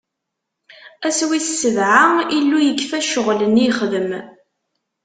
Ass wis sebɛa, Illu yekfa ccɣwel-nni yexdem.